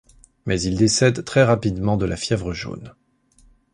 Mais il décède très rapidement de la fièvre jaune.